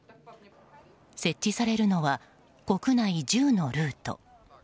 設置されるのは国内１０のルート。